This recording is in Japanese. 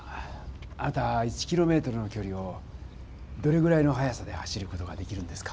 あなた１キロメートルのきょりをどれぐらいの速さで走る事ができるんですか？